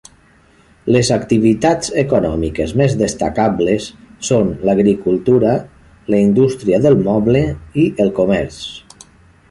Les activitats econòmiques més destacables són l'agricultura, la indústria del moble i el comerç.